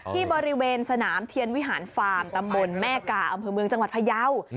ที่บริเวณสนามเทียนวิหารฟาร์มตำบลแม่กาอำเภอเมืองจังหวัดพยาว